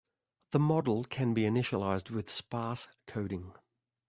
The model can be initialized with sparse coding.